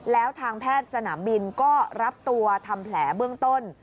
แล้วทางแพทย์สนามบินก็รับตัวทำแผลเบื้องต้น